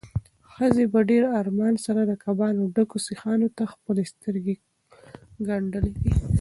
ښځې په ډېر ارمان سره د کبابو ډکو سیخانو ته خپلې سترګې ګنډلې وې.